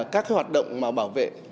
các hoạt động bảo vệ